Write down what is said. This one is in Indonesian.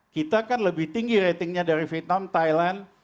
kita kan lebih tinggi ratingnya dari vietnam thailand